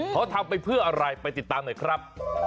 เขาทำไปเพื่ออะไรไปติดตามหน่อยครับ